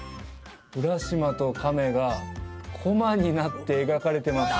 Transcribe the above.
浦島と亀がコマになって描かれてます